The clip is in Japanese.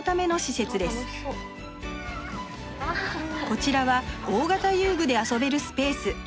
こちらは大型遊具で遊べるスペース。